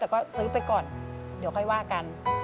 แต่ก็ซื้อไปก่อนเดี๋ยวค่อยว่ากัน